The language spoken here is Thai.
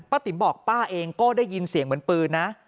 ติ๋มบอกป้าเองก็ได้ยินเสียงเหมือนปืนนะ